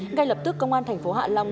ngay lập tức công an thành phố hạ long